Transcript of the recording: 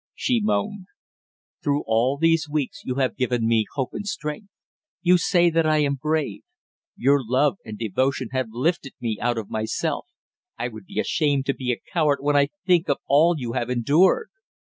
she moaned. "Through all these weeks you have given me hope and strength! You say that I am brave! Your love and devotion have lifted me out of myself; I would be ashamed to be a coward when I think of all you have endured!"